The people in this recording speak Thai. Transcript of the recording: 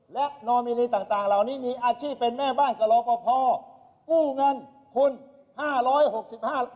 และโนมินีต่างเรานี้มีอาชีพเป็นแม่บ้านกะโลกพ่อปู้เงินคุณ๕๖๕ล้านบาท